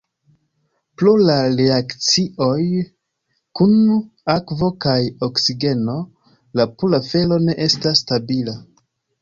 Pro la reakcioj kun akvo kaj oksigeno, la pura fero ne estas stabila.